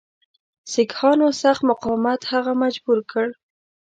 سیکهانو سخت مقاومت هغه مجبور کړ.